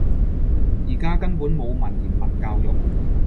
而家根本冇文言文教育